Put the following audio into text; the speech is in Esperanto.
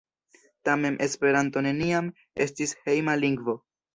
Tamen Esperanto neniam estis hejma lingvo.